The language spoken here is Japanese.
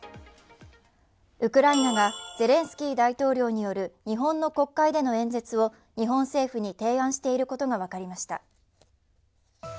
ウクライナがゼレンスキー大統領による日本の国会での演説を日本政府に提案していることが分かりました。